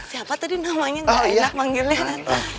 siapa tadi namanya gak enak manggilnya nanti